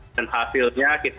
dan hasilnya kita